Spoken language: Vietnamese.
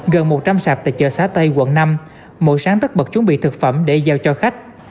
gần một trăm linh sạp tại chợ xá tây quận năm mỗi sáng tất bật chuẩn bị thực phẩm để giao cho khách